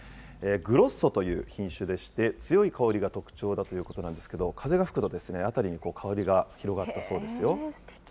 グロッソという品種でして、強い香りが特徴だということなんですけど、風が吹くと辺りに香りが広がったそうですよ。